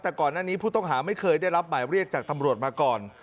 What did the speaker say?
แต่ก่อนหน้านี้ผู้ต้องหาไม่เคยได้รับหมายเรียกจากตำรวจมาก่อน